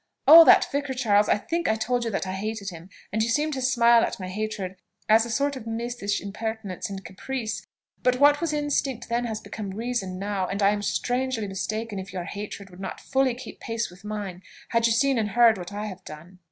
"Oh! that vicar, Charles! I think I told you that I hated him, and you seemed to smile at my hatred as a sort of missish impertinence and caprice; but what was instinct then has become reason now, and I am strangely mistaken if your hatred would not fully keep pace with mine had you seen and heard what I have done.